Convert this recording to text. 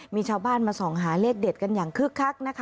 มีชาวบ้านมาส่องหาเลขเด็ดกันคึกคัก